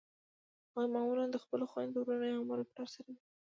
هغوی معمولأ د خپلو خویندو ورونو یا مور پلار سره وي.